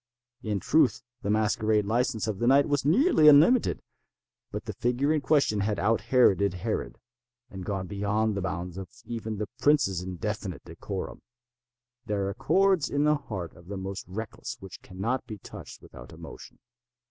In truth the masquerade license of the night was nearly unlimited; but the figure in question had out Heroded Herod, and gone beyond the bounds of even the prince's indefinite decorum. There are chords in the hearts of the most reckless which cannot be touched without emotion.